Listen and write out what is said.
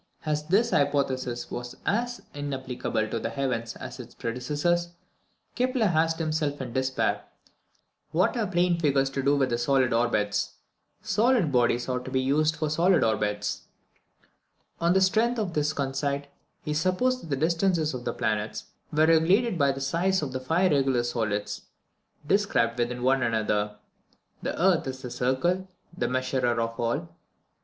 As this hypothesis was as inapplicable to the heavens as its predecessors, Kepler asked himself in despair, "What have plane figures to do with solid orbits? Solid bodies ought to be used for solid orbits." On the strength of this conceit, he supposed that the distances of the planets were regulated by the sizes of the five regular solids described within one another. "The Earth is the circle, the measurer of all.